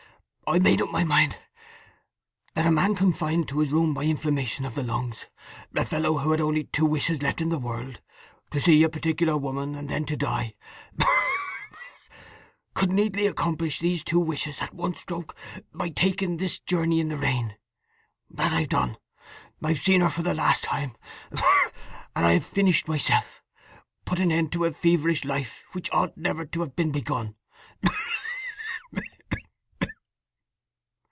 I made up my mind that a man confined to his room by inflammation of the lungs, a fellow who had only two wishes left in the world, to see a particular woman, and then to die, could neatly accomplish those two wishes at one stroke by taking this journey in the rain. That I've done. I have seen her for the last time, and I've finished myself—put an end to a feverish life which ought never to have been begun!"